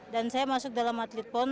dan saya masuk dalam atlet pon